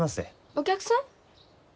お客さん？